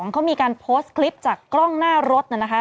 เขามีการโพสต์คลิปจากกล้องหน้ารถนะคะ